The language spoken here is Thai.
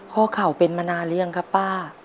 ข้อเข่าเป็นมานานแล้วหรือยังครับป้า